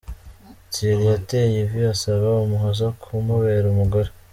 Thierry yateye ivi asaba Umuhoza kumubera umugore.